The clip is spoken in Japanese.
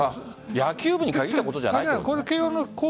野球部に限ったことじゃないんだ。